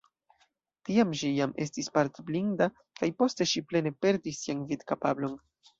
Tiam ŝi jam estis parte blinda kaj poste ŝi plene perdis sian vidkapablon.